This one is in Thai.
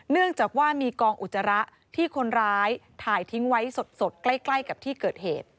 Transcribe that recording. เนื่องจากว่ามีกองอุจจาระที่คนร้ายถ่ายทิ้งไว้สดใกล้กับที่เกิดเหตุ